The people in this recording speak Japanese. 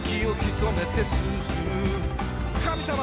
「神様！」